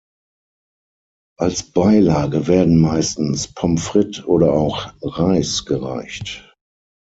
Als Beilage werden meistens Pommes frites oder auch Reis gereicht.